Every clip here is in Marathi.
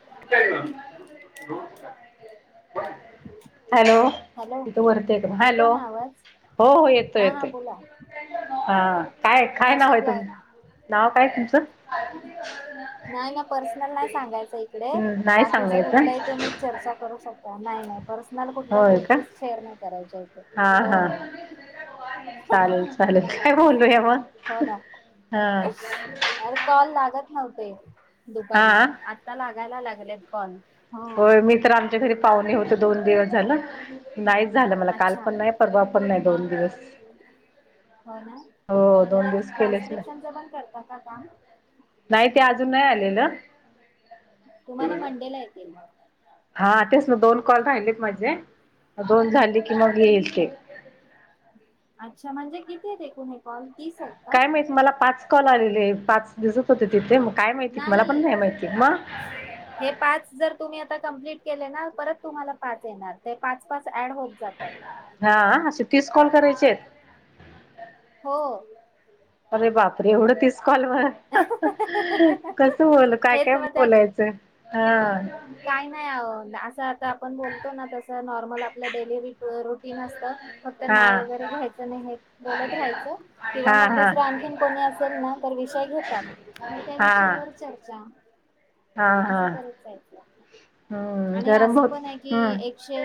[unintelligible] हॅलो. हॅलो इथ वरतेय [unintelligible] हॅलो. येतोय ना आवाज हो हो. येतो हा हा येतोय. बोला हा काय काय नाव हाय नाशिकला तुमचं? नाव काय तुमचं? नाही ना पर्सनल नाही सांगायचं इकडे नाही बाकीच सांगायचं कुठलंही तुम्ही चर्चा करू शक ता. नाही नाही पर्सनल कुठल्याच होय का गोष्टी शेअर नाही करायच्या इथे हा हो हा हो. चालेल चालेल. काय बोलूया मग? हो ना हा अरे कॉल लागत नव्हते दुपारी. हा आता लागायला लागलेत कॉल. हो होय मी तर आमच्या घरी पाहुणे होत दोन दिवस झाल. नाहीच झालं. मला काल अच्छा पण नाही. परवा पण नाही दोन दिवस. हो ना हो दोन म्हणजे दिवस केलेच नाही ट्रान्स्क्रिप्शनच पण करता का काम? नाही ते अजून नाइ आलेलं. तुम्हाला मंडे ला येतील मग. हा तेच मग दोन कॉल राहिलेत माझे. दोन झाले कि मग येईल ते. अच्छा म्हणजे कितीयेत एकुण हे कॉल तीस आहेत का काय माहित मला पाच कॉल आलेले पाच दिसत होते तिथे. मग - - नाही. हे पाच जर तुम्ही आता कंम्प्लीट केले ना परत तुम्हाला पाच येणार. ते पाच पाच ऍड होत जातात. हा असे तीस कॉल करायचेयेत.. हो. अरे बाप रे, एवढ तीस. कॉलवर [unintelligible] कस बोलू, काय काय बोलायचं? हां. काही नाही अवो आता आपण बोलतो ना तस नॉर्मल आपलं डेली रुटीन असतं. फक्त हा नाव वगैरे घ्यायचं नाही हे बोलत राहायचं. किंवा हा मग हा दुसरं आणखीन कोणी असेल ना विषय घेतात, मग त्या हा विषयावर चर्चा, असं करत जायचं. हं. आणि असं पण हाय की, एकशे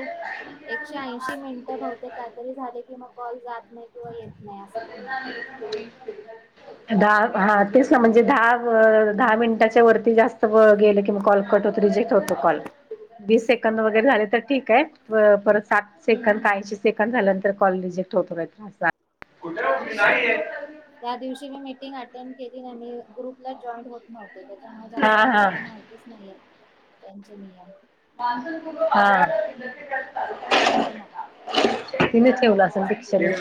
एकशे ऐंशी मिनिटं बहुतेक कायतरी झाले की मग कॉल जात नाही किंवा येत नाही असं पण आहे. [unintelligible] दहा दहा तेच ना म्हणजे दहा दहा मिनिटाच्या वरती जास्त गेल कि कॉल कट रीजेक्ट होतो कॉल. वीस हो सेकंद हो वगैरे झाले तर ठीक आहे. परत सात हम्म सेकंद हम्म ऐंशी सेकंद झालं. कॉल रिजेक्ट होतो [inaudible] अच्छा त्या दिवशी मी मिटिंग अटेंड केली नाही ग्रुपला जॉईंन होत नव्हत. त्याच्यामुळे हा जास्त मला हा काही माहितीच नाहीये त्यांचे नियम ह [inaudible] हो ना तिने काय ठेवला म्हणतय असेल अजून दीक्षाने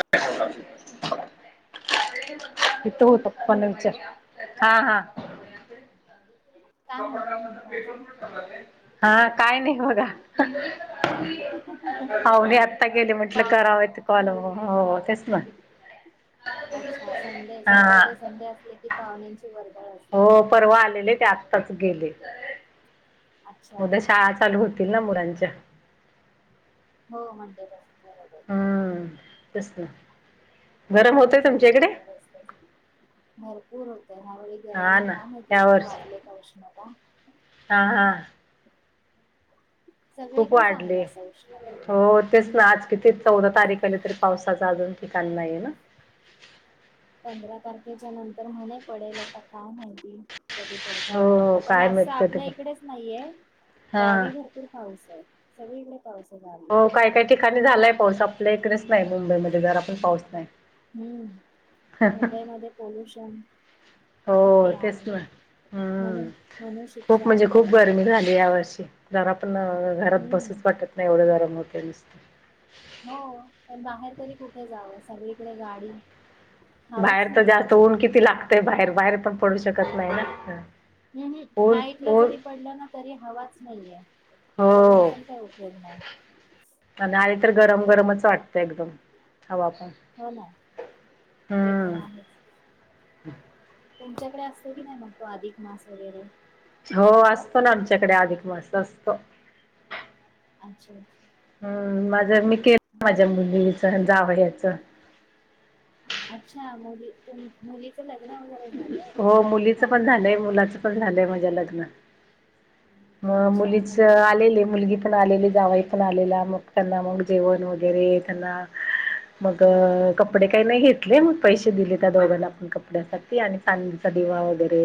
इ त होतपण विचार हॅलो हा हा काय म्हणताय म्हणताय अजून हा काय नाही बघा पाहुणे आत्ता गेली म्हंटलं पाव करावेत कॉल हो तेच म अच्छा संडे हा सॅटरडे संडे असले की पाहुण्यांची वर्दळ असते हो परवा आलेले ते आत्ताच गेले अच्छा उद्या शाळा चालू होती. शाळा सुरू होतील मुलांच्या. हो मंडे पासून बरोबर हम्म तस ना गरम होतय खूप सगळी तुमच्याकडे? गडबड असते भरपूर होतय ह्यावेळी हा गरम ना काय माहिती या इतकी वर्षी वाढले का उष्णता हा हा खूप सगळीकडेच आहे वाढली असं उष्णता हो तेच हम्म ना आज किती चौदा तारीख आली तरी पावसाचा अजून त काल नाही ये ना त्याच्या नंतर मणे पडेल आता काय माहिती कधी पडतोय नाही हो का पण काय असं माहित कधी आपल्या पण इकडेच नाहीये हा गावी भरपूर पाऊस आहे. सगळीकडे पाऊस आहे गावी हो काय काही ठिकाणी झालाय पाऊस आपल्या इकडेच नाही मुंबईमध्ये जरा पण पाऊस नाही. हम्म मुंबईमध्येध्ये पॉल्युशन हो तेच ना हम्म म्हणून म्हणून खूप शिक्षा म्हणजे खूप आपल्याला गरमी झाली. या वर्षी जरा पण घरात बसूच हम्म वाटत नाही एवढं गरम होते नुसत. हो पण बाहेर तरी कुठे जावं सगळीकडे गाडी हवाच बाहेर तर नाहीये जास्त ऊन अजिबात किती लागतय बाहेर बाहेर पण पडू शकत नाही ना हम्म हम् ऊन नाईट ला ऊन जरी पडलं ना तरी हवाच नाहीये. पडून हो पण काय उपयोग नाही. आणि आणि तर गरम गरमच वाटतं एकदम हवा पण हो ना ते तर हम आहेच तुमच्याकडे असतो की नाही मग तो अधिक मास वगैरे हो करतात असतो ना आमच्याकडे अधिक मास असतो. अच्छा अच्छा हम् माझं मी केलं माझ्या मुलीच जावंयाच अच्छा तर मुलीचं लग्न वगैरे झालंय हो मुलीचं हा हा पण हा. झालंय मुलाचं पण झालंय माझ्या लग्न मग अच्छा हो मुलीच का आलेले मुलगी पण आलेली जावई पण आलेला मग त्यांना मग जेवण वगैरे त्यांना मग हा कपडे हा काही नाही घेतले मग पैसे दिले त्या दोघांना आपण कपड्यासाठी आणि चांदीचा दिवा वगैरे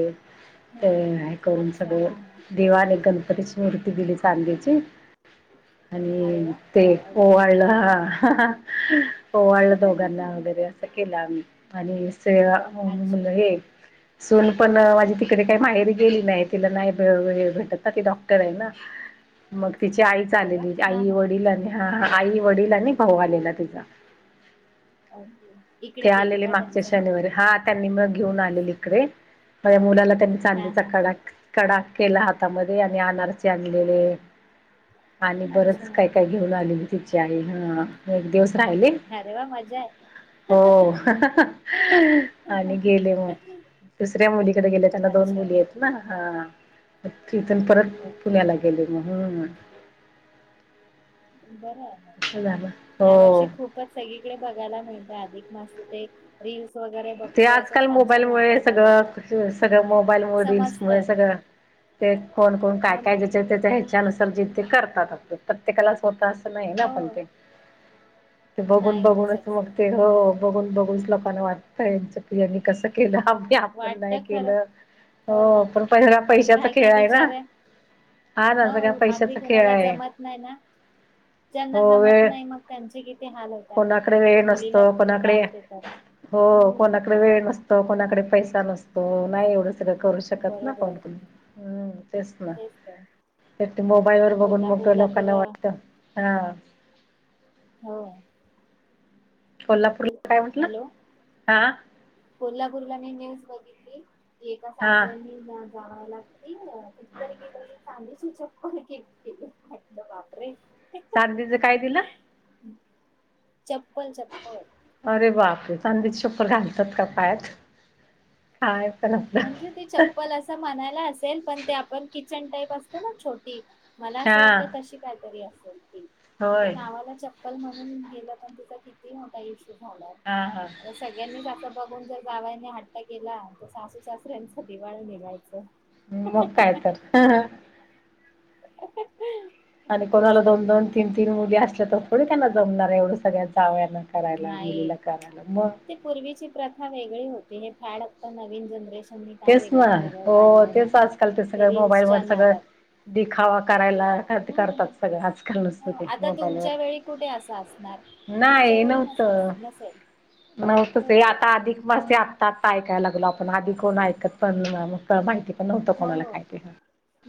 ते हा हे करून अच्छा सगळं हा हा दिवाने गणप [unintelligible] [unintelligible] री स् मूर्ती दिली चांदल्याची अरे आणि वा ते ओके ओवाळला ओवाळले दोघांना वगैरे असं केलं आम्ही आणि सेवा अच्छा मुलं हे सून पण अ माझी तिकडे काही माहेरी गेली नाइ तिला नाही भेटत वेळ ना ती डॉक्टर आये ना मग तिची आईच अरे वा आलेली हा आई हा वडील आणि हा आई वडील आणि भाऊ आलेला तिचा ओके ते इकडे केलं आलेले का मागच्या त्यांचं मग शनिवारी हा त्यांनी मग घेऊन आलेले कडे माया मुलाला त्यांनी हा चांदीचा हा खडा हा कडा केला हातामध्ये आणि आनारसे आणलेले आणि अच्छा बरच काय काय घेऊन आलेले तीची आई ह एक दिवस राहिले अरे वा! मजा य हो आणि गेले मग दुसऱ्या मुलीकडे गेले त्यांना दोन अच्छा मुलीयेतं ना हा तिथून परत ओके पुण्याला गेले म हो ना बरय म ह्या हो वर्षी खूपच सगळी कडे बगायला मिळतंय अधिक मासा ते रिल्स ते आजकाल मोबाईल मुळे बघायला सगळं सगळं मोबाईल मुळ रिल्स मूळ समजतं सगळं ते कोण कोण काय हो काय ना ज्याच्या त्याच्या ह्याच्यानुसार जी ती कर तात ते प्रत्येकालाच होत असं नाई ना पण हो ते ते बघून नाही होत बघूनच मग सक्सेस ते हो बरोबर बघून बघूनच लोकांना वाटतय यानी कस केलं आम्ही आपण नाय वाटत खरं केलं. हो पण सगळा पण पैशाचा काय काय खेळ हाय ना. विचार आहे हा ना हो सगळा अगदी पैशाचा खेळ कोणाला आहे जमत नाय ना ज्यांना हो जमत वेळ नाई मग त्यांचे किती हाल होतात कोणाकडे ते वेळ मुलीला नसतो त्रास कोणाकडे देतात. हो हम्म कोणाकड वेळ नसतो. कोणाकड पैसा नसतो. नाही एवड सगळं करू शकत ना कोण बरोबर कोणी हम्म तेच ना एक ते मोबाईल वर आता बघुन मग ते कोल्हापूरला तर लोकांना वाटत हा हो. कोल्हापूरला काय म्हटलं हॅलो आ कोल्हापूरला मी न्यूज बगीतली की एका हा सासऱ्यानी जावायाला [inaudible] ती चप्पल केलती म्हंटल बाप रे! चांदीच काय दिलं? चप्पल चप्पल चांदीच चप्पल घालतात का पायात काय पण आपलं म्हणजे ते चप्पल असं म्हणायला असेल पण ते आपण किचन टाईप असत ना छोटी मला असं हा वाटतंय तशी काहीतरी असेल ती पण ती होय नावाला चप्प चप्पल म्हणून केल तर तिचा किती मोठा इशू झालाय हा हा आता सगळ्यांनीच अस बघून जर जावयांनी हट्ट केला तर सासू सासऱ्यांच दिवाळ निगायचं. अ मग कायतर [unintelligible] आणि तेच कोणाला तर दोन दोन तीन तीन मुली असल्या तर थोडी त्यांना जमणार ये एवढं सगळ्या जावयाना करायला नाई मुलीला करायला मग ती पूर्वीची प्रथा वेगळी होती हे फॅड आता नवीन जनरेश तेच ना हो तेच आजकाल ते सगळं मोबाईल वर रील्सच्या सगळं नादात दिखावा करायला कर करतात हम्म सगळं आजका नसत हो ते आता मोबाईल वर तुमच्या वेळी कुठे असं असणार तुमच्या नाई वेळी नस नव्हत. नसेल नव्हतं ते बरोबर आता अधिक मासा हे आता आता या लागलो आपण आदी कोण ऐकत पण म माहिती पण नव्हतं हो कोणाला काय ते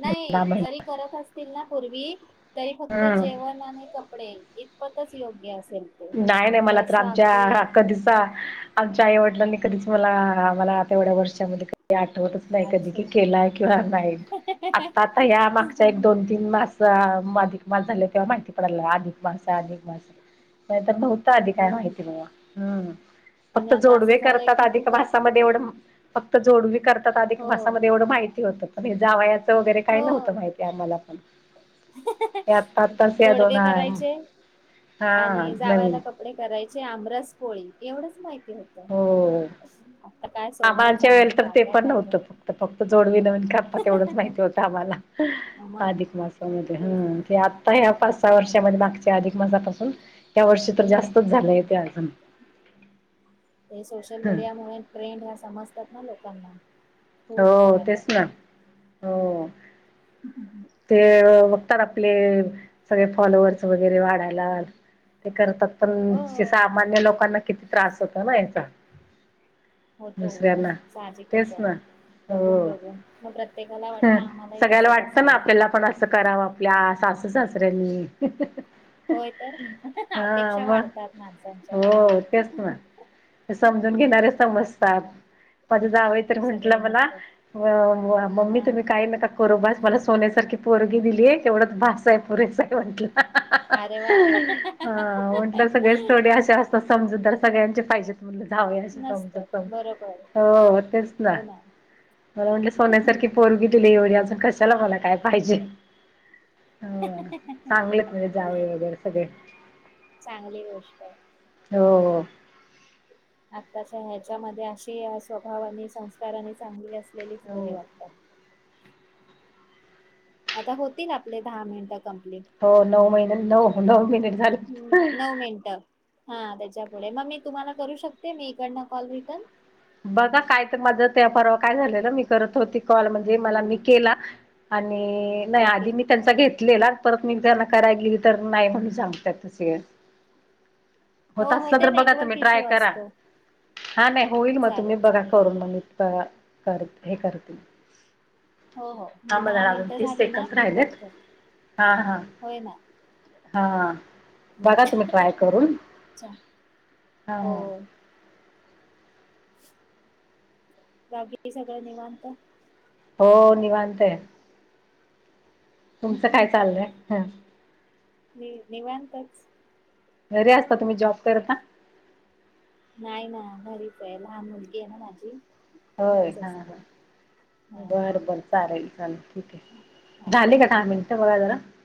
नाई जरी करत असतील ना पूर्वी तरी फक्त हम्म जेवण आणि कपडे इतपतच योग्य अस नाय नाय मला तर आमच्या आका [unintelligible] आई वडलांनी आणि कधीच मला मला आता एवढ्या वर्षामध्ये आठवतच नाही कधी अच्छा केला किंवा नाही आता आ या मागच्या एक दोन तीन मास अधिक मास झाले तेव्हा माहिती पडलायला अधिक मास अधिक मास नाहीतर नव्ह आधी हो काय ना माहिती नव्ह हम् आणि फक्त आता असं जोडवे झालंय करतात की तू आधिक कर मासामध्ये एवढं मा फक्त जोडवी करतात अधिक हो मासामध्ये एवढं माहिती होतं पण हे जावया वगैरे काही नव्हत हो माहितीे आम्हाला पण या आत्ता आताच या दोन जोडवे करायचे हा आणि नवीन जावायला कपडे करायचे आमरस पोळी एवढंच माहि हो सोनं आमांच्या चांदी वेल तर काय ते काय पण काय काय नव्हतं फक्त फक्त जोडवी न म्ह. प्पा तेवढंच माहिती होत आम्हाला मग अधिक मासामध्ये ह ते आता यापून. आणि वर्षामध्ये मागच्या अधिक मासापासून त्या वर्षी तर हम्म जास्तच झालेय ते अजून. हे सोशल मीडिया मु ट्रेंड ह्या समजतात ना लोकांना. खूप हो करायला तेच ना लागलं हो. ते बघतात आपले सगळे फॉलोअर्स वगैरे वाढायला. ते करतात पण हो सामान्य लोकांना किती त्रास होत ना याचा. होत होत दुसऱ्यांना साहजिकच तेच आहे. ना बघून हो. बघून मग प्रत्येकाला वाटतं आम्हालाही असंच असावं. कं कराव आपल्या सासू सासऱ्यांनी. होय तर आता ना हा अपेक्षा मग वाढतात माणसांच्या. हो तेच ना समजून घेणारे समजतात. म्हट सगळे मला नसत मम्मी हा तुम्ही काय नका मला. सोन्यासारखी पोरगी दिली आहे तेवढंच बासाहे पुोरे सा आहे म्हटलं. अरे वा हा म्हटलं सगळेच थोडे असे असतात समजू. सगळ्यांचे फायजे तमणलं धवे असे नसत समज स बरोबर हो तेच ना. मला म्हटलं सोन्यासारखी पोरगी दिली एवढी अजून कशाला मला काय पाहिजे. हो चांगलंच म्हजे जावे वगैरे सगळे. चांगली गोष्ट आहे हो हो. आताच्या ह्याच्यामध्ये अशी स्वभावा आणि संस्कारानी चांगली असते. आपलेलीच हो. घरी वाटत. आता होती ना आपले दहा मिनिट. हो नऊ महिन्या नऊ नऊ महिन्या. हम्म नऊ मिनट. हा त्याच्या पुुढे मग मी तुम्हाला करू शकते मी इकडन कॉल रिटर्न. बघा काय तर माझ ते पररावा काय झालेला मी करत होती कॉल म्हणजे मला मी केला आणि. म नाही ओके आधी मी त्यांचा घेतलेला. परत मी त्यांना कराय गली तर नाही म्हण सांगत तस. होत हो हो असल ते तर बघा तुम्ही नेटवर्क ट्राय इश्यू करा असतो हा नाही हो. तुम्ही चालेल बघा चालेल करून मग इत कर हे करतील. हो हो दहा मिनटं झाली ना क कट राहिलेत कर हा हा होय ना. हा. बघा तुम्ही ट्राय करून अच्छा हा. हो गगी सगळं निवांत हो निवांतय. तुमचं काय चाललंय ह. नि निवांतच. घरी असता तुम्ही जॉब करता नाही ना बरीच आहे लहान मुलगी आहे ना माझी. होय घरीच हा असते हा हा बर बर चालेल चालेल ठीक आहे हा झाले का दहा मिनटं बघा जरा.